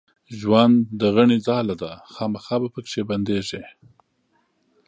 ژوند د غڼي ځاله ده خامخا به پکښې بندېږې